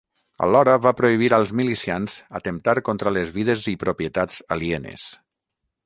Alhora va prohibir als milicians atemptar contra les vides i propietats alienes.